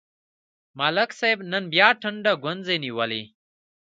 ملک صاحب نن بیا ټنډه ګونځې نیولې.